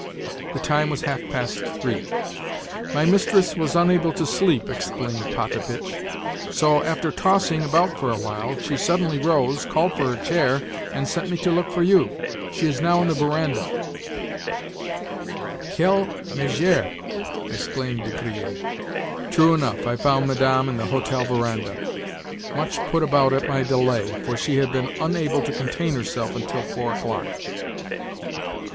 The time was half past three. "My mistress was unable to sleep," explained Potapitch; "so, after tossing about for a while, she suddenly rose, called for her chair, and sent me to look for you. She is now in the verandah." "Quelle mégère!" exclaimed De Griers. True enough, I found Madame in the hotel verandah—much put about at my delay, for she had been unable to contain herself until four o'clock.